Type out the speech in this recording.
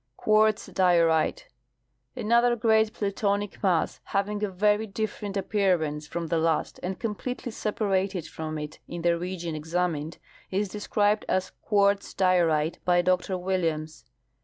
Quartz diorite. — Another great plutonic mass, having a very different appearance from the last and completely separated from it in the region examined, is described as quartz cliorite by Dr Williams.